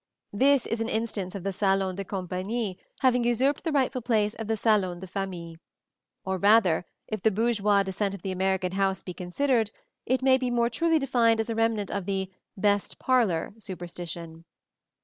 This is an instance of the salon de compagnie having usurped the rightful place of the salon de famille; or rather, if the bourgeois descent of the American house be considered, it may be more truly defined as a remnant of the "best parlor" superstition.